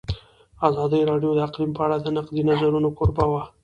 ازادي راډیو د اقلیم په اړه د نقدي نظرونو کوربه وه.